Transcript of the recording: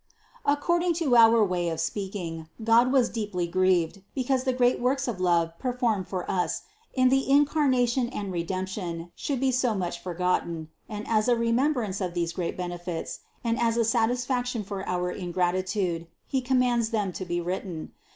According to our way of speaking, God was deeply grieved, because the great works of love per formed for us in the Incarnation and Redemption should be so much forgotten; and as a remembrance of these great benefits and as a satisfaction for our ingratitude He commands them to be written.